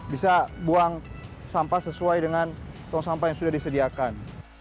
bisa buang sampah sesuai dengan tong sampah yang sudah disediakan